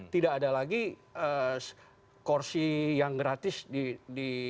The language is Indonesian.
tidak ada lagi kursi yang gratis di